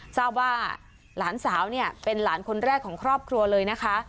ทราบว่าหลานสาวเนี่ยเป็นหลานคนแรกของครอบครัวเลยนะคะ